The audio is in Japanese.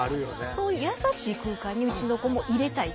そういう優しい空間にうちの子も入れたいとは思いました。